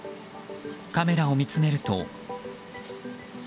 カメラを見つめると。